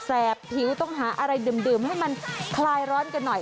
ผิวต้องหาอะไรดื่มให้มันคลายร้อนกันหน่อย